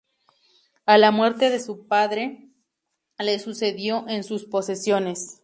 A la muerte de su padre, le sucedió en sus posesiones.